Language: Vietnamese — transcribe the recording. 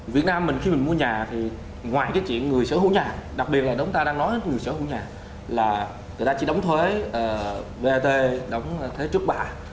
việt nam mình khi mình mua nhà thì ngoài cái chuyện người sở hữu nhà đặc biệt là chúng ta đang nói người sở hữu nhà là người ta chỉ đóng thuế vat đóng thuế trước bạ